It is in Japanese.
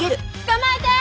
捕まえて！